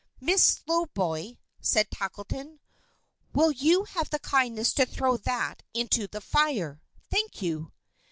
"Miss Slowboy," said Tackleton, "will you have the kindness to throw that into the fire? Thank you."